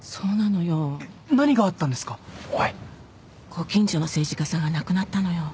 ご近所の政治家さんが亡くなったのよ。